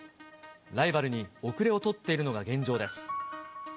ライバルに後れを取っているのが現状です。